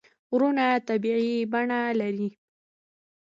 غرونه طبیعي بڼه لري.